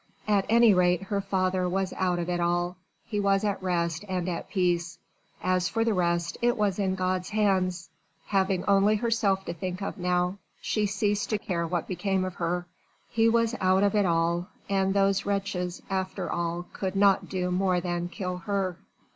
At any rate her father was out of it all. He was at rest and at peace. As for the rest, it was in God's hands. Having only herself to think of now, she ceased to care what became of her. He was out of it all: and those wretches after all could not do more than kill her.